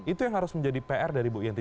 itu yang harus menjadi pr dari bu yenti